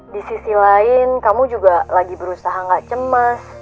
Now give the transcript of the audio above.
di sisi lain kamu juga lagi berusaha gak cemas